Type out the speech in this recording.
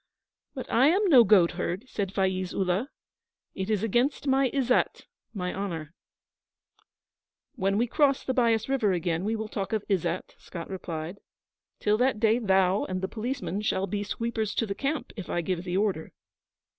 'But I am no goatherd,' said Faiz Ullah. 'It is against my izzat [my honour].' 'When we cross the Bias River again we will talk of izzat,' Scott replied. 'Till that day thou and the policemen shall be sweepers to the camp, if I give the order.'